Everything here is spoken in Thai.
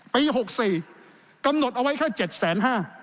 ปี๖๔กำหนดเอาไว้แค่๗๕๐๐บาท